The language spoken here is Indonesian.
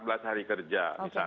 empat belas hari kerja